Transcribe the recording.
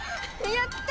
やった！